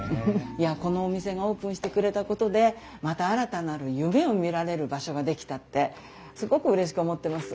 このお店がオープンしてくれたことでまた新たなる夢を見られる場所ができたってすごくうれしく思ってます。